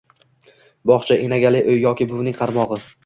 bog‘cha, enagali uy yoki buvining qaramog‘i.